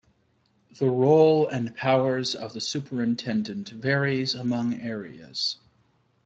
The role and powers of the superintendent varies among areas.